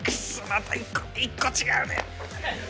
また１個１個違うねん！